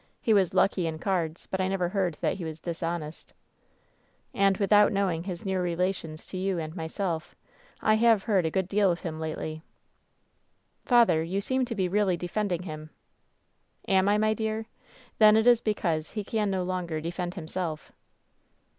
He was lucky in cards, but I never heard that he was dishonest. And — ^without knowing his near rela tions to you and myself — I have heard a good deal of him lately.' " Tather, you seem to be really defending him.* ^' *Am I, my dear ? Then it is because he can no longer defend himself.'